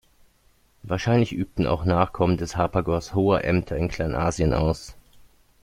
Wahrscheinlich übten auch Nachkommen des Harpagos hohe Ämter in Kleinasien aus.